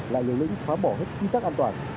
là người lĩnh phá bỏ hết ký tắc an toàn